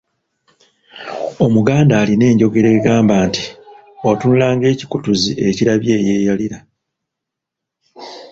Omuganda alina enjogera egamba nti otunula ng'ekikutuzi ekirabye eyeeyalira.